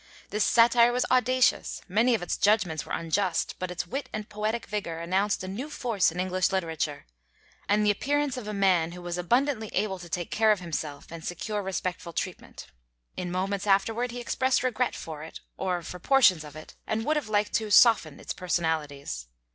This satire was audacious; many of its judgments were unjust; but its wit and poetic vigor announced a new force in English literature, and the appearance of a man who was abundantly able to take care of himself and secure respectful treatment. In moments afterward he expressed regret for it, or for portions of it, and would have liked to soften its personalities.